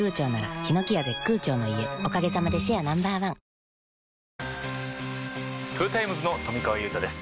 サントリートヨタイムズの富川悠太です